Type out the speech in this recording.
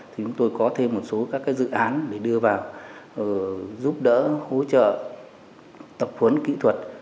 thì chúng tôi có thêm một số các dự án để đưa vào giúp đỡ hỗ trợ tập huấn kỹ thuật